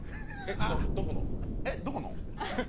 どこの？